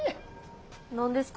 何ですか？